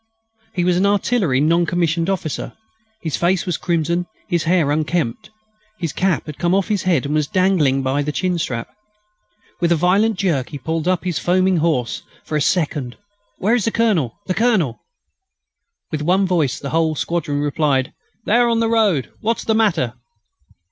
He was an artillery non commissioned officer; his face was crimson, his hair unkempt, his cap had come off his head and was dangling behind by the chin strap. With a violent jerk he pulled up his foaming horse for a second: "Where is the Colonel the Colonel?" With one voice the whole squadron replied: "There, on the road. What's the matter?"